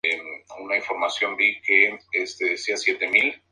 El regimiento ayudó a construir una copia de la base en Cuba.